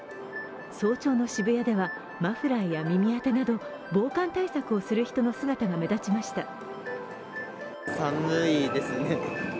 早朝の渋谷ではマフラーや耳当てなど防寒対策をする人の姿が目立ちました。